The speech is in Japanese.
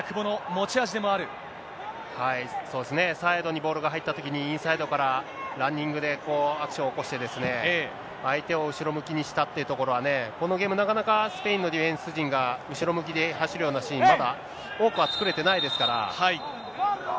そうですね、サイドにボールが入ったときに、インサイドからランニングでアクション起こしてですね、相手を後ろ向きにしたというところはね、このゲーム、なかなかスペインのディフェンス陣が後ろ向きで走るようなシーン、まだ多くは作れてないですから。